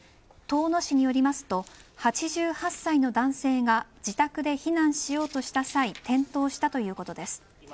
遠野市によると８８歳の男性が自宅で避難しようとした際転倒したということです。